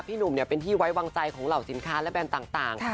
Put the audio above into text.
หนุ่มเป็นที่ไว้วางใจของเหล่าสินค้าและแบรนด์ต่าง